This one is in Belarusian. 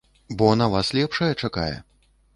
Бо на вас лепшая чакае.